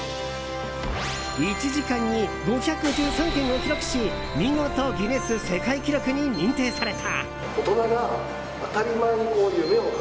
１時間に５１３件を記録し見事ギネス世界記録に認定された。